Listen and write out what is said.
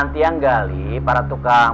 nanti yang gali para tukang